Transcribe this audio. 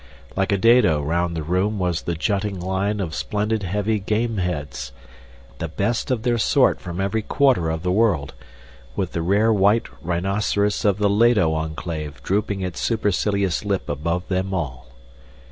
Like a dado round the room was the jutting line of splendid heavy game heads, the best of their sort from every quarter of the world, with the rare white rhinoceros of the Lado Enclave drooping its supercilious lip above them all.